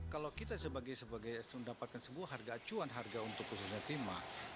kalau kita sebagai mendapatkan sebuah harga acuan harga untuk khususnya timah